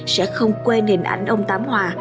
sẽ không quên hình ảnh ông tám hòa